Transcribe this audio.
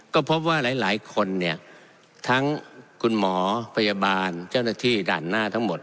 ก็พบว่าหลายคนเนี่ยทั้งคุณหมอพยาบาลเจ้าหน้าที่ด่านหน้าทั้งหมด